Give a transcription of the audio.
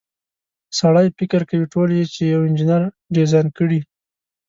سړی فکر کوي ټول چې یوه انجنیر ډیزاین کړي.